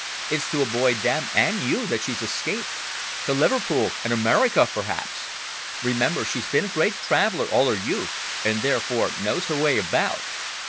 It's to avoid them and you that she's escaped to Liverpool and America, perhaps. Remember she's been a great traveller all her youth and therefore knows her way about."